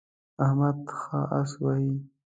احمد ښه اس وهي.